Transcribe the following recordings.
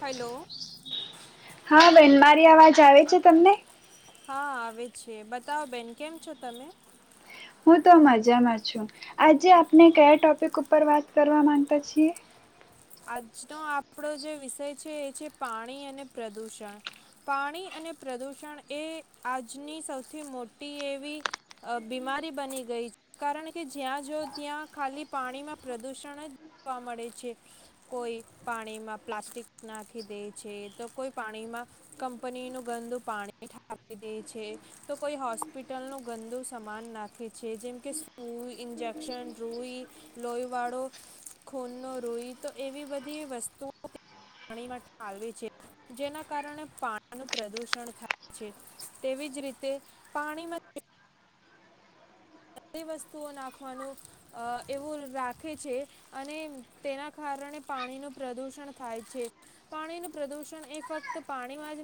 Hello હા બેહેન મા અવાજ આવે છે તમને હા આવે છે બતાવો બેન કેમ છો તમે હું તો મજામાં છું આજે આપણે કયા ટોપિક ઉપર વાત કરવા માંગતા છીએ. આજનો આપણો જે વિષય છે એ છે પાણી અને પ્રદુષણ પાણી અને પ્રદુષણ એ આજની સૌથી મોટી એવી બીમારી બની ગઈ છે કારણ કે જ્યાં જો ત્યાં ખાલી પાણીમાં પ્રદુષણ જ જોવા મળે છે. કોઈ પાણીમાં પ્લાસ્ટિક નાખી દે છે તો કોઈ પાણીમાં કંપનીનું ગંદુ પાણીઠપી દે છે તો કોઈ હોસ્પિટલનું ગંદુ સમાન નાખે છે જેમકે સૂઈ ઇન્જેક્શન રૂઈ લોહીવાળો ખૂનનો રોઈ તો એવી બધી વસ્તુઓ પાણીમાં ઠાલવે છે જેના કારણે પાણીનું પ્રદૂષણ થાય છે તેવી જ રીતે પાણીમાં ધ વસ્તુઓ નાખવાનું એવું રાખે છે અને તેના કારણે પાણીનું પ્રદુષણ થાય છે પાણીનું પ્રદુષણ એ ફક્ત પાણીમાં જ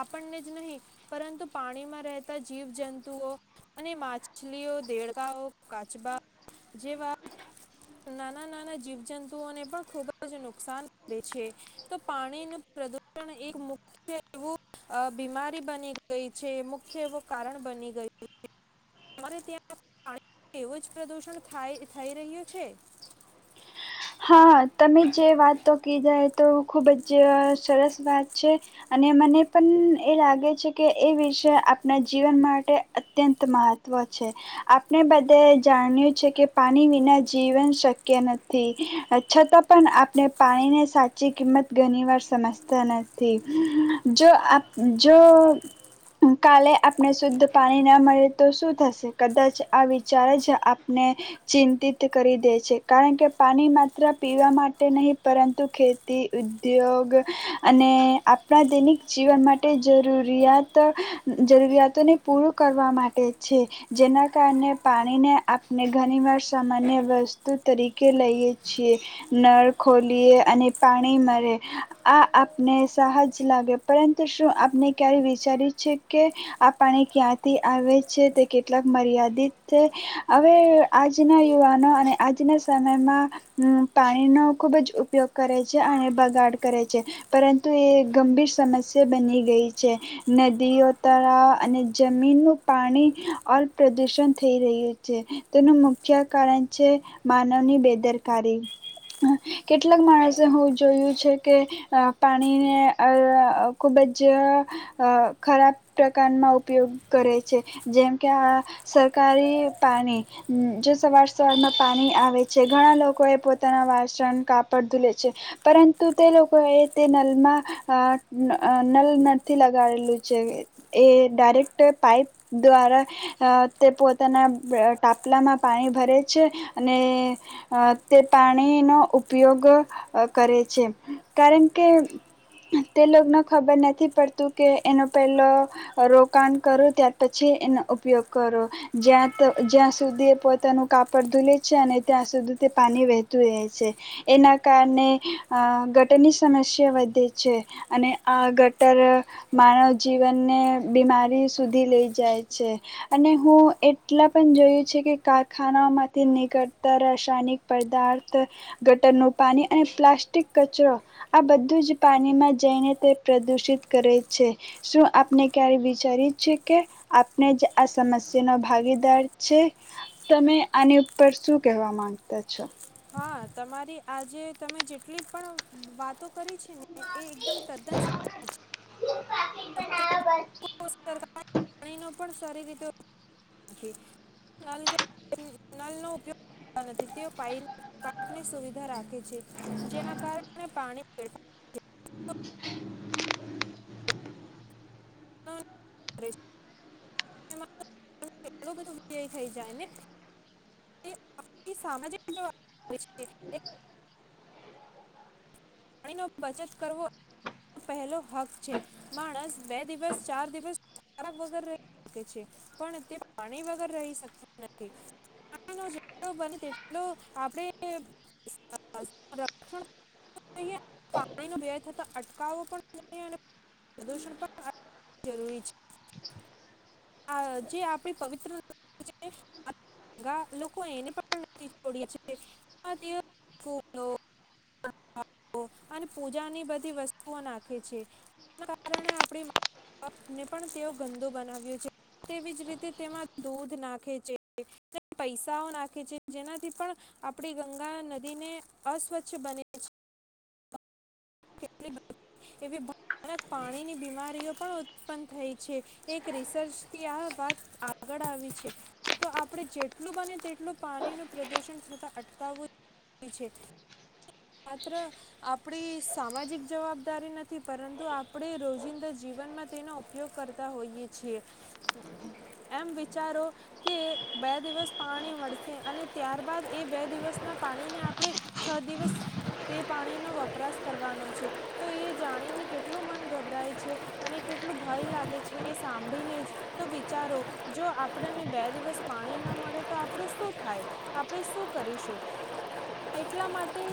આપણને જ નહીં પરંતુ પાણીમાં રહેતા જીવજંતુઓ અને માછ મછલીઓ દેળકાઓ કાચબા જેવા નાના નાના જીવજંતુઓને પણ ખુબ જ નુકસાન કરે છે તો પાણીનું પ્રદુષણ એક મુખ્ય એવું બીમારી બની ગઈ છે મુખ્ય એવું કારણ બની ગયું છે. તમારે ત્યાં પાણી એવું જ પ્રદૂષણ થઈ રહ્યું છે. હા તમે જે વાતો કીધા તો ખૂબ જ સરસ વાત છે અને મને પણ એ લાગે છે કે એ વિષય આપણા જીવન માટે અત્યંત મહત્ત્વ છે આપણે બધા જાણ્યું છે કે પાણી વિના જીવન શક્ય નથી. છતાં પણ આપણે પાણીની સાચી કિંમત ઘણી વાર સમજતા નથી જો જો કાલે આપણે શુદ્ધ પાણી ના મળે તો શું થશે કદાચ આ વિચાર જ આપને ચિંતિત કરી દે છે કારણ કે પાણી માત્ર પીવા માટે નહીં પરંતુ ખેતી ઉદ્યોગ અને આપણા દૈનિક જીવન માટે જરૂરિયાત જરૂરિયાતોને પૂરું કરવા માટે છે જેના કારણે પાણીને આપણે ઘણીવાર સામાન્ય વસ્તુ તરીકે લઈએ છીએ નળ ખોલીએ અને પાણી મરે આ આપને સહજ લાગે પરંતુ શું આપને ક્યારે વિચાર છે કે આ પાણી ક્યાંથી આવે છે તે કેટલાક મર્યાદિત છે હવે આજના યુવાનો અને આજના સમયમાં પાણીનો ખુબ જ ઉપયોગ કરે છે અને બગાડ કરે છે પરંતુ એ ગંભીર સમસ્યા બની ગઈ છે નદીઓ તળાવ અને જમીનનું પાણી ઓ પ્રદુષણ થઈ રહ્યું છે તેનું મુખ્ય કારણ છે. માનીરકારી કેટલાક માણસે હું જોયું છે કે પાણીને ખુબ જ ખરાબ પ્રકારમાં ઉપયોગ કરે છે જેમ કે આ સરકારી પાણી જો સવાર સવારમાં પાણી ઘણા લોકો એ પોતાના વાસણ કાપડ ધુલે છે પરંતુ તે લોકો એ તે નલમાં નલ નથી લગાડેલું છે એ ડાયરેક્ટ પાઈપ દ્વારા તે પોતાના ટાપલામાં પાણી ભરે છે. અને તે પાણીનો ઉપયોગ કરે છે કારણ કે તે લગને ખબર નથી પડતું કે એનો પહેલો રોકાણ કરો ત્યાર પછી એનો ઉપયોગ કરો જ્યા જ્યાં સુધી પોતાનું કાપડ ધૂલે છે. છે અને ત્યાં સુધી તે પાણી વહેતું રહે છે એના કારણે ગટરની સમસ્યા વધે છે અને આ ગટર માનવ જીવનને બીમારી સુધી લઈ જાય છે અને હું એટલા પણ જોયું છે કે કારખાનાઓમાંથી નીક કરતા રાસાયણિક પદાર્થ ગટરનુંું પાણી અને પ્લાસ્ટિક કચરો આ બધું જ પાણીમાં જઈને તે પ્રદુષિત કરે છે શું આપણે ક્યારે વિચારી છે કે આપણે જ આ સમસ્યાનો ભાગીદાર છે તમે આને પર શું કહેવા માંગતા છો. હા. તમારી આજે તમે જેટલી પણ વાતો કરી છે ને એ એકદમ તદ્દન સાચી છે. બના કોઈ સરકાર [unintelligible] પાણીનો પણ સારી રીતે [unintelligible] ગ નથી નલ કે નલનો ઉપયોગ નથી. તેઓ પાઇપની સુવિધા રાખશે. જેના કારણે પાણી [inaudible] [inaudible] કરે છે એય થઈ જાય ને સાજ [inaudible] નિશચિત એક [unintelligible] પાણીનો બચત કરવો પહેલો હક છે. માણસ બે દિવસ ચાર દિવસ ખોરાક વગર રહી શકે છે, પણ તે પાણી વગર રહી શકતો નથી પાણી જે બને તેટલો આપણે પાણીનો વ્યય થતાં અટકાવો પણ જોઈએ અને પ્રદૂષણ પણ [unintelligible] જરૂરી છે. આ જે આપણી પવિત્ર લોકો [unintelligible] એને છોડી [unintelligible] ફળો અને પૂજાની બધી વસ્તુઓ નાખે છે, જે કારણે આપડી મા-બાપને પણ તેઓ ગંદુ બનાવ્યું છે, તેવી જ રીતે તેમાં દૂધ નાખે છે, પૈસાઓ નાખે છે, જેનાથી પણ આપડી ગંગા નદીને અસ્વચ્છ બને છે. લી એવી ભયાનક પાણીની બીમારીઓ પણ ઉત્પન્ન થઈ છે. એક રિસર્ચથી આ વાત આગળ આવી છે, તો આપણે જેટલું બને તેટલું પાણીનું પ્રદૂષણ થતાં અટકાવવું છે. માત્ર આપડી સામાજિક જવાબદારી નથી, પરંતુ આપણે રોજિંદા જીવનમાં તેનો ઉપયોગ કરતા હોઈએ છીએ. એમ વિચારો કે બે દિવસ પાણી મળશે અને ત્યારબાદ એ બે દિવસના પાણીને આપણે છ દિવસ તે પાણીનો વપરાશ કરવાનો છે, તો એ જાણીને કેટલું મન ગભરાય છે અને કેટલું ભય લાગે છે, એ સાંભળીને જ. તો વિચારો જો આપણને બે દિવસ પાણી ના મળે તો આપણું શું થાય? આપણે શું કરીશું? એટલા માટે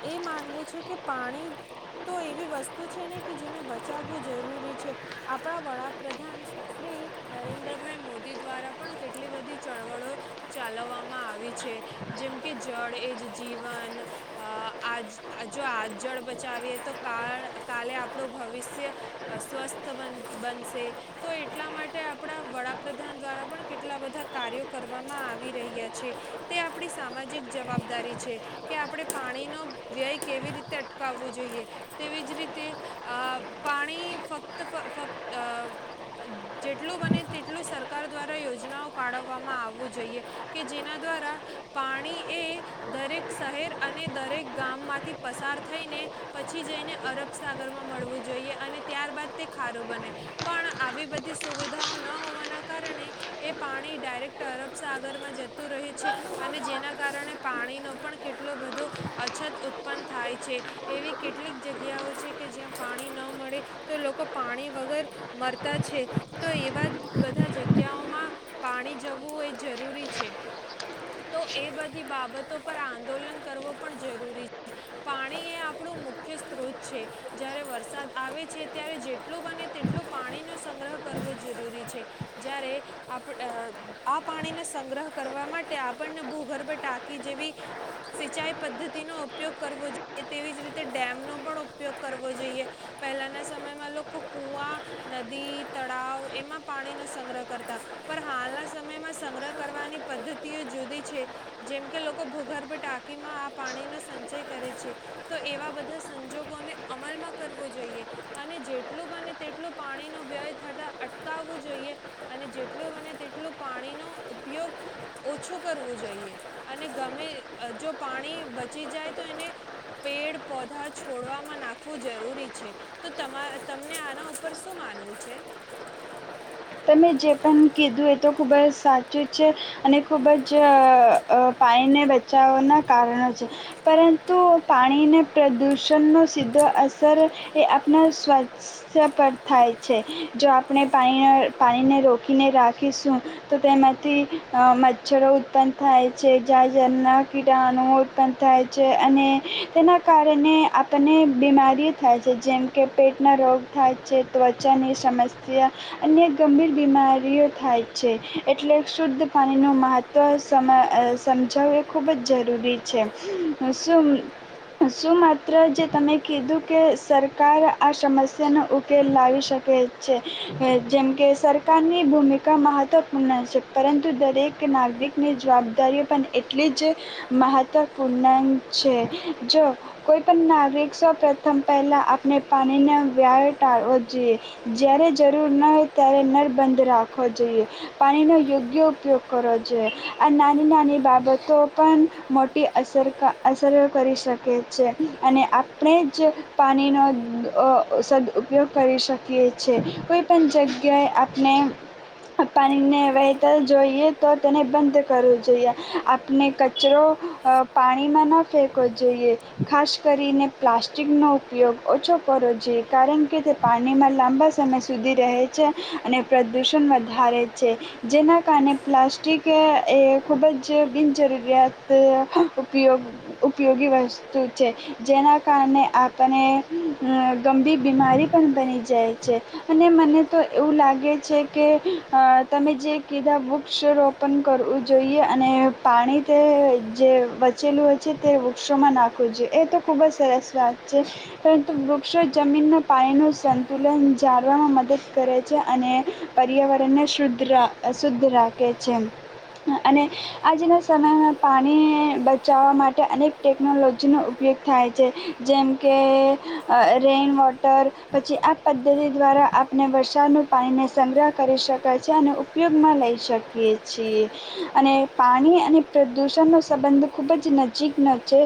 એ માનવું છે કે, પાણી તો એવી વસ્તુ છે ને કે જેને બચાવવું જરૂરી છે. આપણા વડાપ્રધાન શ્રી નરેન્દ્રભાઈ મોદી દ્વારા પણ કેટલી બધી ચળવળો ચાલવવામાં આવી છે, જેમ કે જળ એ જ જીવન આજ જો આ જળ બચાવીએ, તો કાળ કાલે આપણું ભવિષ્ય સ્વસ્થ બન બનશે, તો એટલા માટે આપણા વડાપ્રધાન દ્વારા પણ કેટલા બધા કાર્યો કરવામાં આવી રહ્યા છે, તે આપણી સામાજિક જવાબદારી છે કે આપણે પાણીનો વ્યય કેવી રીતે અટકાવવું જોઈએ, તેવી જ રીતે આ પાણી ફક્તત જેટલું બને તેટલું સરકાર દ્વારા યોજનાઓ કાઢવવામાં આવવું જોઈએ કે જેના દ્વારા પાણી એ દરેક શહેર અને દરેક ગામમાંથી પસાર થઈને પછી જઈને અરબસાગરમાં મળવું જોઈએ અને ત્યારબાદ તે ખારું બને પણ આવી બધી સુવિધાઓ ન હોવાના કારણે એ પાણી ડાયરેક્ટ અરબસાગરમાં જતું રહે છે અને જેના કારણે પાણીનો પણ કેટલો બધો અછત ઉત્પન્ન થાય છે, એવી કેટલીક જગ્યાઓ છે કે, જ્યાં પાણી ન મળે તો લોકો પાણી વગર મરતા છે, તો એવા બધા જગ્યાઓમાં પાણી જવું એ જરૂરી છે, તો એ બધી બાબતો પર આંદોલન કરવું પણ જરૂરી. પાણી એ આપણું મુખ્ય સ્ત્રોત છે, જ્યારે વરસાદ આવે છે, ત્યારે જેટલું બને તેટલું પાણીનો સંગ્રહ કરવો જરૂરી છે, જ્યારે આ પાણીનો સંગ્રહ કરવા માટે આપણને ભૂગર્ભ ટાંકી જેવી સિંચાઈ પ પદ્ધતિનો ઉપયોગ કરવો જોઈએ, તેવી જ રીતે ડેમનો પણ ઉપયોગ કરવો જોઈએ. પહેલાના સમયમાં લોકો કૂવા, નદી, તળાવ એમાં પાણીનો સંગ્રહ કરતા પણ હાલના સમયમાં સંગ્રહ કરવાની પદ્ધતિઓ જુદી છે, જેમ કે લોકો ભૂગર્ભ ટાંકીમાં પાણીનો સંચય કરે છે, તો એવા બધા સંજોગોને અમલમાં કરવો જોઈએ અને જેટલું બને તેટલું પાણીનો વ્યય થતાં અટકાવવું જોઈએ અને જેટલું બને તેટલું પાણીનો ઉપયોગ ઓછું કરવું જોઈએ અને ગમે જો પાણી બચી જાય તો એને પેડ પોધા છોડવામાં નાખવું જરૂરી છે, તો તમા તમને આના ઉપર શું માનવું છે? તમે જે પણ કીધું એ તો ખૂબ જ સાચું છે અને ખૂબ જ પાણીને બચાવવાના કારણો છે, પરંતુ પાણીને પ્રદૂષણનો સીધો અસર એ આપણા સ્વાસ્થ્ય પર થાય છે. જો આપણે પાણીના પાણીને રોકીને રાખીશું તો તેમાંથી મચ્છરો ઉત્પન્ન થાય છે, જારના કીટણુઓ ઉત્પન્ન થાય છે અને તેના કારણે આપણને બીમારીઓ થાય છે, જેમ કે પેટના રોગ થાય છે. ત્વચાની સમસ્યા અને ગંભીર બીમારીઓ થાય છે, એટલે શુદ્ધ પાણીનું મહત્ત્વ સમ સમજાવવ એ ખૂબ જ જરૂરી છે. શું શું માત્ર જે તમે કીધું કે સરકાર આ સમસ્યાનો ઉકેલ લાવી શકે છે જેમ કે સરકારની ભૂમિકા મહત્વપૂર્ણ છે, પરંતુ દરેક નાગરિકની જવાબદારીઓ પણ એટલી જ મહત્વપૂર્ણ છે, જો કોઈપણ નાગરિક સૌ પ્રથમ પહેલાં આપણે પાણીનો વ્યાવ ટાળવો જોઈએ, જ્યારે જરૂર ન ત્યારે નર બંધ રાખવો જોઈએ પાણીનો યોગ્ય ઉપયોગ કરવો જોઈએ, આ નાની નાની બાબતો પણ મોટી અસર અસરો કરી શકે છે અને આપણે જ પાણીનો સદઉપયોગ કરી શકીએ છીએ કોઈપણ જગ્યા કે આપણે પાણીને વહેતા જોઈએ તો તેને બંધ કરવું જોઈએ. આપણે કચરો પાણીમાં ન ફેંકવો જોઈએ, ખાસ કરીને પ્લાસ્ટિકનો ઉપયોગ ઓછો કરવો જોઈએ, કારણ કે તે પાણીમાં લાંબા સમય સુધી રહે છે. અને પ્રદૂષણ વધારે છે, જેના કારણે પ્લાસ્ટિક એ ખૂબ જ બિનજરૂરિયાત ઉપયોગ ઉપયોગી વસ્તુ છે, જેના કારણે આપને ગંભીર બીમારી પણ બની જાય છે અને મને તો એવું લાગે છે કે તમે જે કીધા વૃક્ષો રોપણ કરવું જોઈએ અને પાણી તે જે બચેલું હોય છે, તે વૃક્ષોમાં નાખવું જોઈએ એ તો ખૂબ જ સરસ વાત છે, પરંતુ વૃક્ષો જમીનના પાણીનું સંતુલન જાળવામાં મદદ કરે છે અને પર્યાવરણને શુદ્ધ શુદ્ધ રાખે છે અને આજના સમયમાં પાણી બચાવવા માટે અનેક ટેકનોલોજીનો ઉપયોગ થાય છે, જેમ કે રેન વોટર, પછી આ પદ્ધતિ દ્વારા અને વરસાદનું પાણીને સંગ્રહ કરી શકાય છે અને ઉપયોગમાં લઈ શકીએ છીએ અને પાણી અને પ્રદૂષણનો સંબંધ ખૂબ જ નજીકનો છે.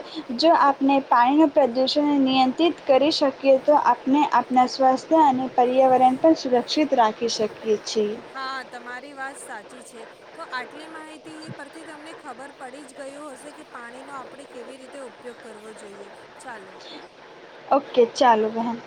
જો આપણે પાણીનું પ્રદૂષણ નિયંત્રિત કરી શકીએ તો આપણે આપણાં સ્વાસ્થ્ય અને પર્યાવરણ પણ સુરક્ષિત રાખી શકીએ છીએ હા. તમારી વાત સાચી છે. તો આઠ [unintelligible] ટલી માહિતી પરથી તમને ખબર પડી જ ગયું હશે કે, પાણીનો આપણે કેવી રીતે ઉપયોગ કરવો જોઈએ? ચાલો ઓકે ચાલો બહેન.